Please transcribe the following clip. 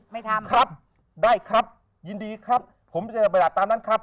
ไม่ทำครับได้ครับยินดีครับผมจะปฏิบัติตามนั้นครับ